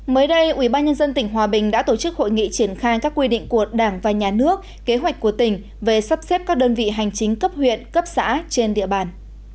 mới đây ubnd tỉnh hòa bình đã tổ chức hội nghị triển khai các quy định của đảng và nhà nước kế hoạch của tỉnh về sắp xếp các đơn vị hành chính cấp huyện cấp xã trên địa bàn